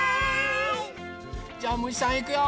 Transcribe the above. じゃあむしさんいくよ。